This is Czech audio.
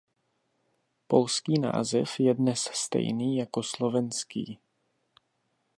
Polský název je dnes stejný jako slovenský.